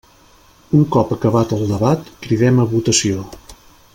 Un cop acabat el debat, cridem a votació.